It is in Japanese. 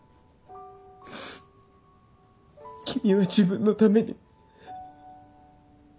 君は自分のために。